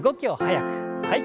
はい。